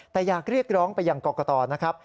แต่อยากเรียกร้องไปยังกรกตนะครับ